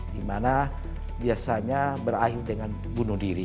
di mana biasanya berakhir dengan bunuh diri